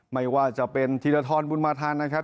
ไม่ว่าจะเป็นธีรทรบุญมาทันนะครับ